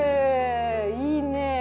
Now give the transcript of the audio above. いいね。